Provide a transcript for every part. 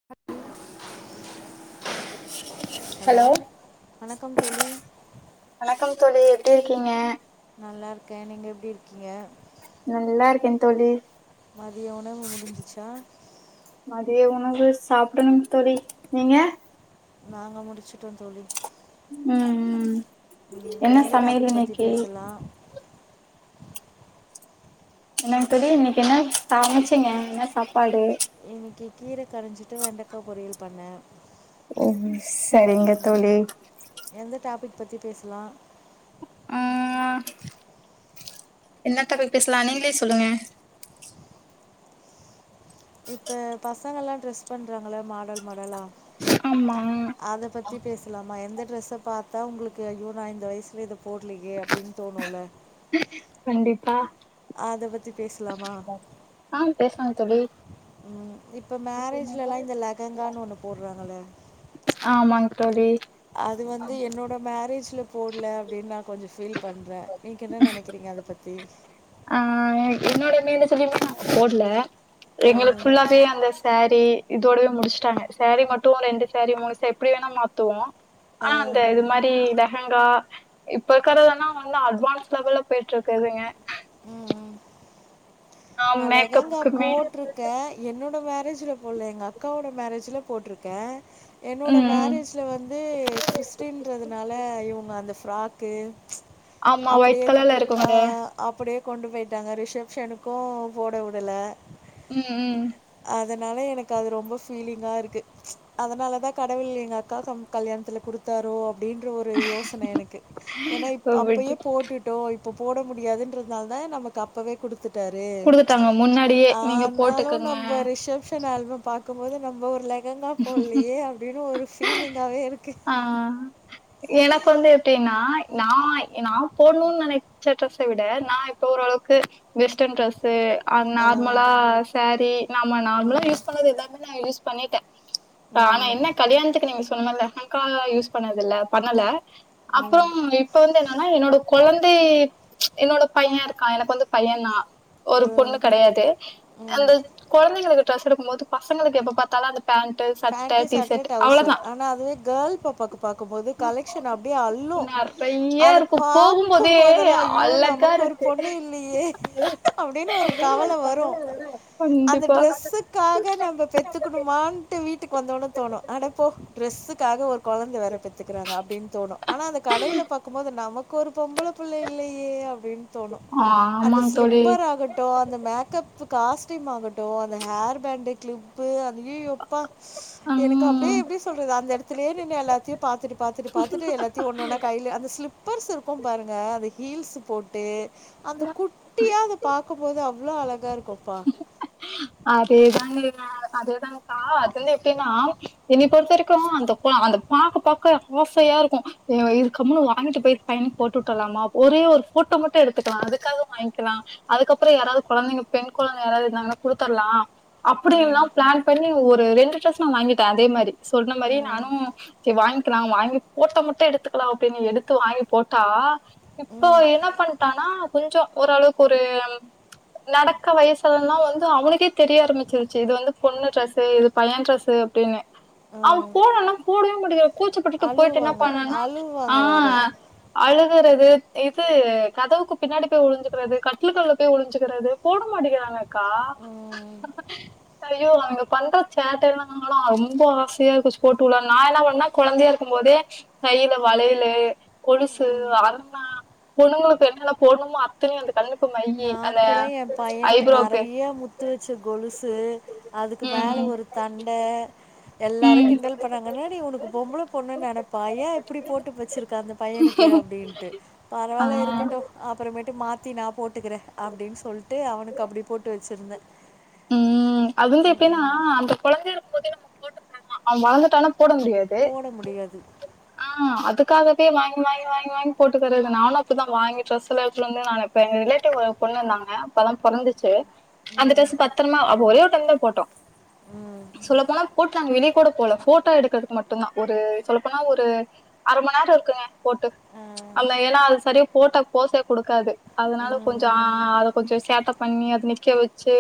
[inaudible] Hello வணக்கம் தோழி வணக்கம் தோழி எப்டி இருக்கீங்க நல்லாருக்க நீங்க எப்டிருக்கீங்க நல்லாருக்க தோழி மதிய உணவு முடிஞ்சிச்சா மதிய உணவு சாப்புடணும் தோழி நீங்க நாங்க முடிச்சுட்டோ தோழி ம் ம் ம், என்ன எந்த சமையல் டாபிக் பற்றி இன்னக்கி பேசலாம் இன்னிக் என்ன சமச்சிங்க என்ன சாப்பாடு இன்னிக்கி கீர கரஞ்சிட்டு வெண்டக்கா பொரியல் பண்ண ம் செரிங்க தோழி எந்த டாபிக் பத்தி பேசுலா ஆ என்ன டாப்பிக் பேஸ்லா நீங்ளே சொல்லுங்க இப்ப பசங்களா ட்ரெஸ் பண்றாங்கல்ல மாடல் மாடலா ஆமா அத பத்தி பேசுலாமா எந்த ட்ரெஸ்ஸ பாத்தா உங்ளுக்கு ஐயோ நா இந்த வயஸ்ல இத போட்லியே அப்டின் தோணுல்ல கண்டிப்பா அத பத் தி பேசுலாமா ஆ பேசலாங்க தோழி ம் இப்ப மேரேஜ்லலா இந்த லக் லகங்கான்னு ஒன்னு போற்றாங்கள ஆமாங் தோழி அது வந்து என்னோட மேரேஜ்லப் போட்ல அப்டின் நா கொஞ்சோ ஃபீல் பண்ற நீங்க என்ன நெனக்கிறீங்க அத பத்தி ஆ என்னோட மேரேஜ்லய்மே நா போட்ல அ, எங்ளுக் ஃபுல்லாவே அந்த சேரீ இதோடவே முடிஷ்ட்டாங்க சேரீ மட்டு ரெண்டு சேரீ முணு சே எப்டி வேணா மாத்துவோ அ, ஆ அந்த இது மாரி த லெஹங்கா இப்பருக்கறதலா தா வந்து அட்வான்ஸ் லெவல்ல போயிட்ருக்குதுங்க ஆ நா லெகங்கா மேக்கப்க்குமே போட்ருக்க என்னோட மேரேஜ்ல போல்ல எங்க அக்காவோட மேரேஜ்ல போட்ருக்க என்னோட ம் ம் மேரேஜ் ல வந்து கிறிஸ்டின்றதுனால இவுங்க அந்த ஃப்ராக்கு ஆமா அப்டியே ஒயிட் கலர்ல ஆ இருக்கும்ல அப்டியே கொண்டு போயிட்டாங்க ரிசெஃப்ஷனுக்கு போடவுடல ம் ம் அதனால எனக் அது ரொம்ப ஃபீலிங்காருக்கு அதனாலதா கடவுள் எங்க அக்கா கம் கல்யாணத்ல குடுத்தாரோ அப் டின்ற ஒரு யோசன எனக்கு ஏன்னா ஓ இப் விட்டு அப்பயே போட்டுட் டோ இப்ப போட முடியாதுன்றத்னால்தா நமக் அப்பவே குடுத் துட்டாரு குடுத்துட்டாங்க முன்னாடியே நீங்க ஆனாலு நம் போட்டுக்கங்க ரிசப்ஷன் ஆல்பம் பாக்கும்போது நம்போ ஒரு லெகங்கா போல்லியே அப்டின் ஒரு ஃபீலிங்காவே இருக்கு ஆ எனக் வந்து எப்டின்னா நா நா போடணுன் நெனச்ச ட்ரெஸ்ஸ விட நா இப்ப ஓரளவுக்கு வெஸ்டன் ட்ரெஸ்ஸு ஆ. நார்மலா சேரீ நாம ம். நார்மலா யூஸ் பண்றது எல்லாமே நா யூஸ் பண்ணிட்டே ஆனா ம். என்ன கலியாணத்துக்கு நீங்க சொன்னல்ல லெஹங்காலா யூஸ் பண்ணதுல்ல பண்ணல ம். அப்புறம் இப்ப வந்து என்னன்னா என்னோட கொழந்தை என்னோட பையருக்கான் எனக் வந்து பையன் தான் ஒரு அ. பொண்ணு கெடையாது அந்த கொழந்தைங்களுக் ட்ரெஸ் எடுக்கும் போது பசங்களுக்கு எப்ப பாத்தாலு அந் பேண்டுஸ் பேண்டு சட்ட ட்ரௌசர் ஆனா அதுவே கேர்ள் பாப்பாக்கு பாக்கும்போது கலெக்க்ஷன் அப்டியே அல்லும் நெறைய அத இருக்கு போகும்போதே பாக்கும்போதலா ஐயோ அழகா நமக் ஒரு இருக்கு பொண்ணு இல்லியே அப்டின் ஒரு கவலை வரும் அந்த கண்டிப்பா ட்ரஸ்ஸு க்காக நம்ம பெத்துக்குணுமான்ட்டு வீட்டுக்கு வந்தோன்னே தோணு அடப்போ டரெஸ்ஸுக்காக ஒரு கொழந்த வேற பெத்துக்கிறாங்க அப்டின்னு தோணு ஆனா அந்த கடைல பாக்குபோது நமக்கு ஒரு பொம்பளபுள்ள இல்லயே அப்படின் தோணு அந்த ஆமாங் தோழி ஸ்லிப்பராகட் ட்டு அந்த மேக்கப்பு காஸ்டீமாகட்டும் அந்த ஹேர் பேண்ட் கிளிப்பு அய்யயோ ப்பா எனக்கு அ ப்டியே ம் எப்டி சொல்றது அந்த எடத்துலே நின்னு எல்லாத்தியு பாத்துட்டு பாத்துட்டு பாத்துட்டு எல்லாத்தயு ஒன்னன்னா கைல அந்த ஸ்லிப் ப்பர்ஸ்ருக்கு இருக்கும் பாருங்க அந்த ஹீல்ஸ் போட்டு அந்த குட்டியா அத பாக்குபோது அவ்ளோ அழகாருக்குப்பா அதேதாங்க க அதேதா ஆ அதுலெப்டினா என்னிய பொறுத்தரைக்கு அந்த அந்த பா பாக்க ஆசையாருக்கு இது கம்முன்னு வாங்கிட்டு போய் பையனுக் போட்டு வுட்டுட்லாமா ஒரே ஒரு ஃபோட்டோ மட்டு எடுத்துக்கலா அதுக்காக வாங்கிக்கலா அதுக்கப்றோ யாராது கொழந்தைங்க பெண் கொழந்த யாராது இருந்தாங்கன்னா குடுத்தர்லா அப்படில்லா ம் பிளான் பண்ணி ஒரு ரெண்டு ட்ரெஸ் நா வாங்கிட்டேன் அதே மாறி சொன்ன மாறியே ம் நானு கேர் வாங்கிக்லா வாங்கி போட்டோ முட்டு எடுத்துக்கலா அப்டின்னு எடுத்து வாங்கி போட்டா இப்போ ம் என்ன பண்ட்டானா கொஞ்சோ ஓரளவுக்கு ஒரு நடக் க்கற வயசுலெல்லா வந்து அவுனுக்கே தெரிய ஆரம்பிச்சிருச்சி இது வந்து பொண்ணு டிரெஸு இது பைய டிரெஸு அப்டின்னு அவன் ம் போட்றானா போடவே மட்டக்கிற கூச்சப்பட்டுட்டு போயிட்டு என்ன அழுவாங்க பண்ணனா ஆ அழுவாங்க வேறு அழுகிறது இது கதவுக்கு பின்னாடி போயி ஒளிஞ்சுகிறது கட்டலுக்கடில போயி ஒளிஞ்சுகிறது போட மாட்டங்கிறாங்கக்கா ம் அயோ அவுங்க பண்ற சேட்டயால்லாலு ரொம்ப ஆசையாயிருந்திச்சு போட்டு வுடலான்னு நா என்ன பண்ண கொழந்தையாருக்குபோதே கைல வளயலு கொலுசு அர்ணா பொண்ணுங்களுக்கு என்னன்ன போடணுமோ அ இத்தனியு அந்த கண்ணுக்கு மையி நான் அந்த கூட என் பையனுக்கு ஐப்ரோக்கு நெறைய முத்து வச்ச கொலுசு அதுக்கு மேலே ம் ஒரு தண்ட எல்லாரு ம் கிண்டல் பண்ணாங்க என்னாடி ஒனக்கு பொம்பள பொண்ணு நெனப்பா ஏ இப்டி போட்டு வச்சிருக்க அந்த பையனுக் கு அப்படின்ட்டு ஆ பரவால்ல இருக்கட்டு அப்பறமேட்டு மாத்தி நாப் போட்டுகிறே அப்டின்னு சொல்ட்டு அவனுக்கு அப்டி போட்டு வச்சிருந்தேன் ம் அது வந்து எப்டினா அந்த கொழந்தயா இருக்குபோதே நம்ம போட்டுகிட்டாதான் அவ வளந்துட்டானா போட முடியாது போட முடியாது ஆ அதுக்காகவே வாங்கி வாங்கி வாங்கி வாங்கி போட்டுகிரது நானு அப்டிதா வாங்கி ட்ரெஸ்ல்ல எடுத்துட்டு வந்து எங்க ரிலேட்டிவ் ஒரு பொண்ணு இருந்தாங்க இப்பதா பொறந்துச் சு அந்த ட்ரெஸ் பத்ரமா அபொ ஒரே ஒரு டைம்தா போட்டோ ம். சொல்ல போனா போட் நாங்க வெளியே கூட போல போட்டோ எடுக்கிறதுக்கு மட்டுதா ஒரு சொல்லப்போனா ஒரு அர மணி நேர இருக்குங்க போட்டு ஆ. அல்ல எல்னா சரியா ஃபோட்டாக்கு போசே குடுக்காது அதனால கொஞ்சோ ம். ஆ அத கொஞ்சோ சேட்ட பண்ணி அத நிக்க வெச்சு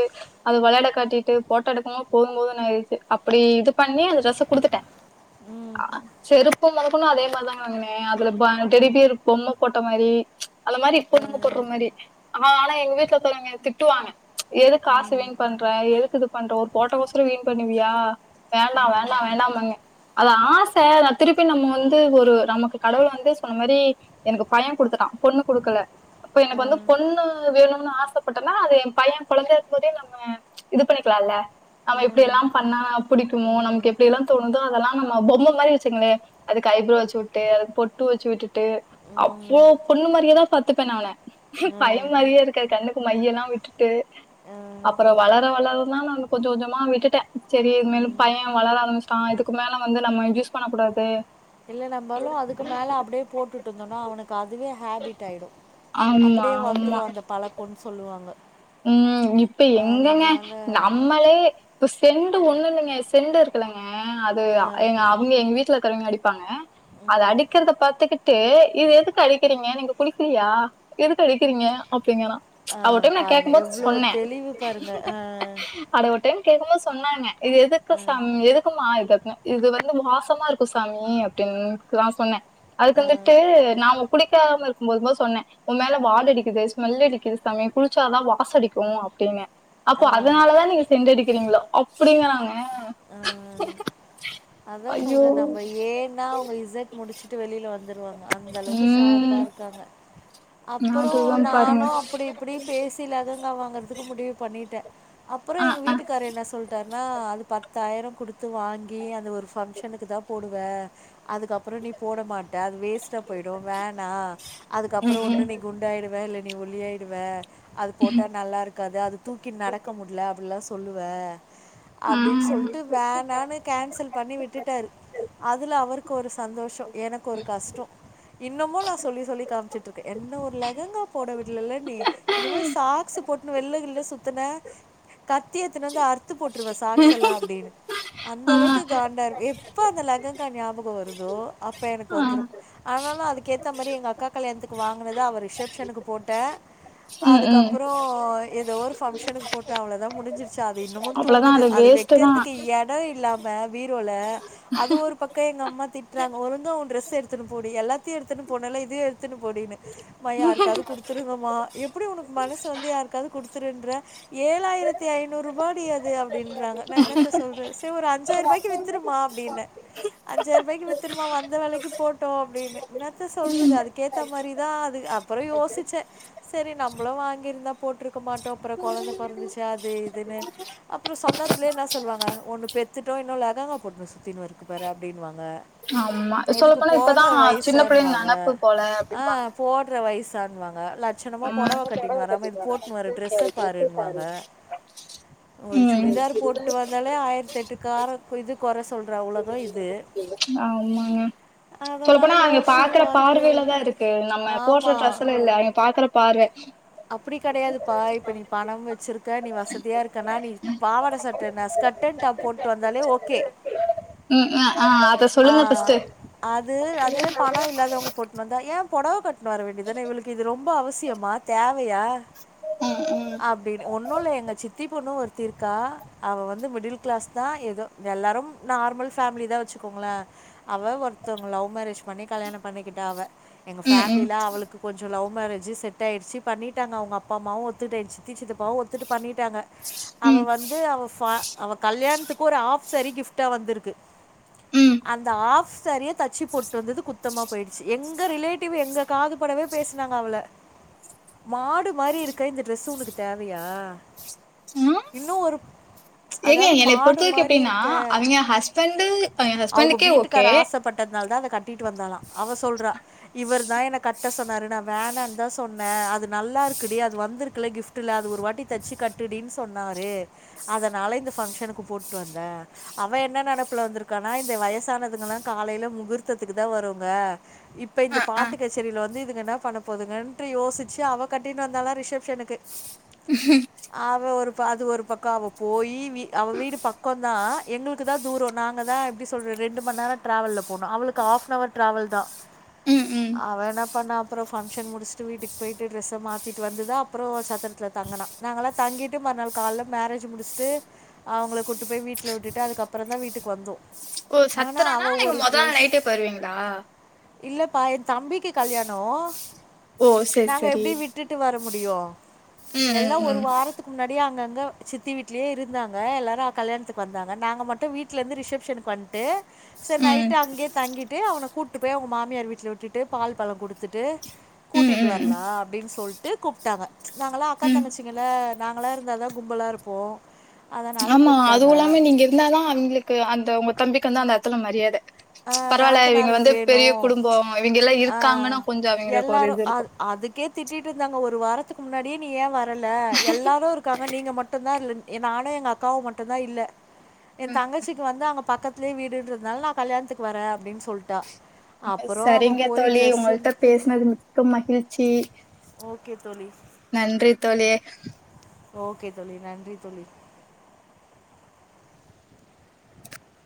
அத வெளாட காட்டிட்டு போட்டோ எடுக்கமொ போதுபோதூன்னு ஆயிட்து அப்டி இது பண்ணி அந்த ட்ரெஸ்ஸ குடுத்துட்ட ம். அ செரு ப்பு மொதக்கொன்னு அதே மாரிதாங்க வாங்க்ணே அதுல ப டெடி பியரு இரு பொம்ம போட்ட மாரி அந்த மாரி அ. பொண்ணுங்க போட்ற மாரி ஆ ஆனா எங்க வீட்ல இருக்குறவங்க என்ன திட்டுவாங்க எதுக் காச வீண் பண்ற எதுக்கு இது பண்ற ஒரு போட்டோக்கோசரோ வீண் பண்ணுவியா வேணா வேணா வேணாம்பாங்க அது ஆச திருப்பி நம்ம வந்து ஒரு நமக்கு கடவுள் வந்து சொன்ன மாரி எனக்கு பைய குடுத்துட்டா பொண்ணு குடுக்கல அப்ப ஆ. எனக்கு வந்து பொண்ணு வேணும்ன்னு ஆசப்பட்டனா அது ஏ பைய கொழந்தயாருக்கு பொதே நம்ம இது பண்ணிக்கலால்ல நம்ம ம். எப்டில்லா பண்ணா புடிக்குமோ ம். நமக்கு எப்டில்லா தோணுதோ அதெல்லா நம்ம பொம்ம மாரி வெச்சுங்களே அதுக்கு ஐ ப்ரோ வெச்சு உட்டு அதுக் பொட்டு வெச்சு உட்டுட்டு அவ்ளோ ம். பொண்ணு மாரியேதா பாத்துப்பே நா அவன அ. பையன் மாரியே இருக்காது கண்ணுக்கு மையெல்லா விட்டுட்டு ஆ. அப்பறோ வள வளர வளரதா நா கொஞ்சொ கொஞ்சொமா விட்டுட்டே செரி இதுக் மேல் பைய வளர ஆரம்பிச்சுட்டா இதுக்கு மேல வந்து நம்ம கிஷ் பண்ணக்கூடாது இல்ல நம்பாலு அதுக்கு மேல அப்டியே போட்டு விட்டுருந்தனா அவனுக்கு அதுவே ஹேபிட் ஆய்டு ஆமா, அப்புடியே வந்துரு ஆமா. அந்த பழக்கொன்னு சொல்லுவாங்க ம் இப்ப எங்கெங்க அதனால் நம்மளே இப்ப செண்டு ஒன்னு நீங்க செண்டு இரு கில்லெங்க அது அ ஏ அவுங்க எங்க வீட்ல இருக்கிறவெங்க அடிப்பாங்க அது அடிக்கெறத பாத்துக்கிட் ட்டு இது எதுக்கு அடிக்கெறீங்க நீங்க குளிக்கலியா எதுக்கு அடிக்கெறீங்க அப்டிங்கறா ஆ பாருங்க எவ்ளோ தெளிவு பாருங்க ஆ அட ஒரு டைம் கேக்கும்போது சொன்னாங்க இது எதுக்கு சாம் எதுக்குமா இது அப்ன்னு இது வந்து வாசமா இருக்கு சாமி அப்டின்னு நா சொன்னே அதுக்கு வந்துட்டு நாம குளிக்காம இருக்கும் போது போது சொன்னே ஊம்மேல வாட அடிக்குது ஸ்மெல் அடிக்குது சாமி குளிச்சாதா வா வாசடிக்கு அப்டின்னே அப்போ அதனாலதா நீங்க சென்டடிக்கிறீங்களா அப்பிடிங்கறாங்க ஆ அதா ஐயோ சொல்றே நம்ம ஏ ஏ னா அவ்ங்க இசட் முடுச்சுட்டு வெளில வந்துருவாங்க அந்த அளவுக்கு ஷார்பா உம் இருக்காங்க அப்பறோ அதுதான் பாருங்க நானும் அப்புடி இப்புடி பேசி லெகங்கா வாங்கறதுக்கு முடிவு பண்ணிட்டே அப்பறொ ஆஹ் எங்க ஆஹ் வீட்டுக்கார் என்ன சொல்லிட்டாருனா அது பத்தாயிரோ குடுத்து வாங்கி அந் அந்த ஒரு ஃபங்க்ஷனுக்கு தா போடுவ அதுக்கப்பறோ நீ போட மாட்ட அது வேஸ்ட்டா போய்டு வேணா உம் அதுக்கப்பறோம் உம் ஒன்னு நீ குண்டு ஆய்டுவ இல்ல நீ ஒல்லி ஆய்டுவ அது போட்டா நல்லா இருக்காது அது தூக்கி நடக்க முட்ல அப்புல்லா சொல்லுவே அப்டின்னு ம் சொல்ட்டு வேண்டானு கேன்சல் பண்ணி விட்டுட்டாரு அதுல அவருக்கு ஒரு சந்தோஷோ எனக்கு ஒரு கஷ்டொ இன்னுமு நா சொல்லி சொல்லி காம்ச்சுட்டு இருக்கே என்ன ஒரு லெகங்கா போட விட்லல்ல நீ இனிமேல் சாக்ஸு போட்டுனு வெள்ல கிள்ல சுத்துன கத்தி எத்துனு வந்து அறுத்து போட்டுருவே சாக்ஸ் எல்லா அப்டின்னு அந்த ஆ அளவு க்கு காண்டா இ எப்ப அந்த லெகங்கா ஞாபகோ வருதோ அப்ப எனக்கு ஆ வந்துரு ஆனாலு அதுக்கேத்த மாரி எங்க அக்கா கல்யாணத்துக்கு வாங்குனதா அவ ரிசப்ஷனுக்கு போட்டே ம் ம் அதுக்கப்பறோ எதோ ஒரு ஃபங்க்ஷனுக்கு போட்டே அவ்ளோதா முடுஞ்சுரு ச்சு அது இன்னுமு அவ்ளோதா தூங்குது அது வேஸ்ட்டு தா வெக்கறதுக்கு எடொ இல்லாம பீரோல அது ஒரு பக்க எங்க அம்மா திட்றாங்க ஒழுங்கா ஊ ட்ரெஸ் எடுத்துனு போடி எல்லாத்தியு எடுத்துனு போனல்ல இது எடுத்துன்னு போடின்னு மா யாருக்காவ்து குடுத்துருங்கமா எப்புடி ஒனக்கு மனசு வந்து யாருக்காது குடுத்துருன்ற ஏழாயிரத்தி ஐநூருபாடி அது அப்டின்றாங்க நா என்னத்த சொல்றது செர் ஒரு அஞ் சாய்ருபாய்க்கு வித்துருமா அப்டின்ன அஞ்சாய்ர்பாய்க்கு வித்துருமா வந்த வெலைக்கு போட்டூ அப்டின்னு என்னத்த சொல்றது அதுக்கேத்த மாரிதா அது அப் பறோ யோசிச்சே செரி நம்மளு வாங்கிருந்தா போட்ருக்க மாட்டோ அப்புறோ கொழந்த பொறந்துச்சு அது இதுன்னு அப்புறோ சொந்தத்துலே என்ன சொல்லுவாங்க ஒன்னு பெ த்துட்டு இன்னு லகங்கா போட்டுணு சுத்தின்னு இருக்குப்பாரு அப்டின்னுவாங்க ஆமா இதுக்கு சொல்லப்போனா இப்பதா போட்ற சின்ன பிள்ளைங்க வய்சான்வாங்க நெனப்பு போல ஆ அப்டிம்பாங்க போ ட்ற வய்சான்வாங்க லட் ச்சனமா ம் பொடவ கட்டின் வராம இது போட்டுன் வர டிரெஸ்ஸ பாருன்வாங்க ஒரு ம் சுடிதார் போட்டு வந்தாலே ஆயிரத்தெட்டு கார இப்போ இது கொற சொல்ற உலகோ இது ஆமாங்க அதனால சொல்லப்போனா அவிங்க பாக்குற யோசிப்பாத்து பார்வையில தா இருக்கு நம்ம ஆமா போடுற ட்ரெஸ்ல இல்ல அவிங்க பாக்குற அ பார்வ அப்புடி கெடையாது பா இப்ப நீ பணம் வச்சிருக்க நீ வசதியா இருக்கனா நீ பாவாட சட்டென்ன ஸ்கட் அன் டாப் போட்டு வந்தாலே ஓகே ம் ஆ ஆ அத ஆ சொல்லுங்க ஃபஸ்ட்டு அது அதுவே பணோ இல்லாதவ்ங்க போட்னு வந்தா ஏன் பொடவ கட்னு வர வேண்டிதான இவுளுக் ரொம்ப அவசியமா தேவையா ம் அப்டின்னு ஒன்னுல்ல எங்க சித்தி பொண்ணு ஒரு த்தி இருக்கா அவ வந்து மிடில் கிளாஸ்தா எதோ எல்லாரும் நார்மல் ஃபேமிலிதா வச்சுக்கோங்ள அவ ஒருத்தவங்கு லவ் மேரேஜ் பண்ணி கல்யாணம் பண்ணிக்கிட்டா அவ எங்க ம் ம் ஃபேம்லில அவளுக்கு கொஞ்சோ லவ் மேரஜு செட் ஆய்ர்ச்சு பண்ணிட்டாங்க அவ்ங்க அப்பா அம்மாவு ஒத்துக்ட்டு எங் சித்தி சிப்பாவு ஒத்துட்டு பண்ணிட்டாங்க அவ ம் வந்து அவ ஃபா அவ கல்யாண்த்துக்கு ஒரு ஆஃப் சேரி கிஃப்டா வந்திருக்கு ம் அந்த ஆஃப் சேரிய தச்சு போட்டு வந்தது குத்தமா போய்டுச்சு எங்க ரிலே டிவ்வு எங்க காது படவே பேஸ் னாங்க அவுள மாடு மாரி இருக்க இந்த ட்ரெஸ் உனுக்கு தேவையா ம் ஆ இன்னு ஒரு ஏங்க அதாவ்து என்னைய மாடு பொறுத்த வரைக்கு மாரி எப்டின்னா இருக்க அவிங்க ஹஸ்பண்டு அவிங்க அவ்ங்க ஹஸ்பண்டுக்கே ஓகே வீட்டுக்கார் ஆசப்பட் டத்னால்தா அத கட்டிட்டு வந்தாளா அவ சொல்றா இவருதா என்ன கட்ட சொன்னாருனு வேணான்தா சொன்ன அது நல்லா இருக்குடி அது வந்திருக்குல கிஃப்ட்டுல அது ஒரு வாட்டி தச்சு கட் டுடின் சொன்னாரு அதனால இந்த ஃபங்க்ஷனுக்கு போட்டு வந்த அவ என்ன நெனப்புல வந்திருக்கானா இந்த வயசானதுங்கலா காலேல முகூர்த்தத்துக்குதா வருங்க இப்ப ஆ இந்த ஆ பாட்டு கச்சரில வந்து இதுங்க என்ன பண்ண போதுங்கன்ட்டு யோசிச்சு அவ கட்டின் வந்தாளா ரிசப்ஷனுக்கு ம் ஹும் அவ ஒரு அது ஒரு பக்கோ அவ போயி வீ அவ வீடு பக்கோந்தா எங்ளு க்குதா தூரோ நாங்க தா எப்டி சொல்றது ரெண்டுமநேரோ ட்ராவல்ல போனு அவளுக்கு ஆஃப்னவர் ட்ராவல்தா ம் ம் அவ என்ன பண்ணா அப்றோ பங்க்ஷன் முடிஸ்ட்டு வீட்டுக் போய்ட்டு டிரெஸ்ஸ மாத்திட்டு வந்துதா அப்புறோ சத்திரத்ல தங்குனா நாங்களா தங்கிட்டு மறுநாள் கால்ல மேரேஜு முடிஸ்ட்டு அவுங்குள கூட்டு போய் வீட்ல உட்டுட்டு அதுக்கப்புறந்தா வீட்டுக் வந்தோ ஓ சத்துரானா அவ ஒரு ட்ரஸ் இல்லப்பா என் தம்பிக்கு கல்யாணோ ஓ செரி நாங்க செரி எப்டி விட்டுட்டு வர முடியு ம் எல்லா ஒரு ம் வாரத்துக் முன்னாடியே அங்கங்க சித்தி வீ்ட்லே இருந்தாங்க எல்லாரு கல்யணத்துக்கு வந்தாங்க நாங்க மட்டு வீட்ல இருந்து ரிசப்ஷனுக்கு வந் து செரி ம் நைட்டு அங்கே தங்கிட்டு அவன கூட்டு போய் அவுங்க மாமியார் வீட்ல விட்டுட்டு பால் பழோ குடுத்துட்டு ம் ம் கூட்டிட்டு ம் வரலா அப்டின் சொல்ட்டு கூப்டாங்க நாங்களா அக்கா ம். தங்கச்சிங்கள நாங்களா இருந்தா தா கும்பலா இருப் போ ஆமா அதுவுல்லாம நீங்க இருந்தா தா அவங்களுக்கு அந்த உங்க தம்பிக்கு வந்து அந்த எடத்துல மரியாத ஆ பரவால்ல இவிங்க நாத்தனாருங்க வந்து பெரிய வேணும். குடும்போ இவிங்கல்லா ஆ இருக்காங்கன்னு கொஞ்சோ அவிங்களுக் ஒரு எல்லாரும் இது இருக்கு அது அதுக்கே திட்டிட்டு இருந்தாங்க ஒரு வாரத்துக்கு முன்னாடியே நீ ஏ வரல எல்லாரு இருக்காங்க நீங்க மட் டுதா இல்ல நானு எங்க அக்காவு மட்டு தா இல்ல எ தங்கச்சிக்கு வந்து அங்க பக்கத் லே வீடுன்றதுனால நா கல்யான்துக்கு வரே அப்டின் சொல்ட்டா அப்புறோ அவ போய் ட்ரெஸ்சு பேசினது மிக்க மகிழ்ச்சி ஓகே தோழி நன்றி தோழி ஓகே தோழி நன்றி தோழி